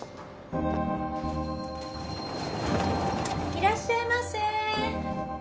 いらっしゃいませ。